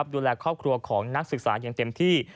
ดูแลครอบครัวของนักศึกษาอย่างเต็มที่